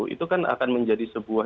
itu kan akan menjadi sebuah